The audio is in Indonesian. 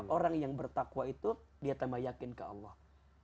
orang yang bertakwa itu dia tambah yakin ke allah